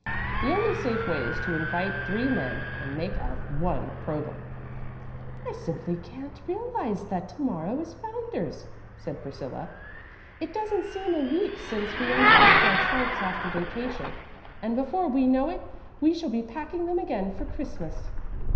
The only safe way is to invite three men and make out one program." "I simply can't realize that to morrow is Founder's," said Priscilla. "It doesn't seem a week since we unpacked our trunks after vacation, and before we know it we shall be packing them again for Christmas."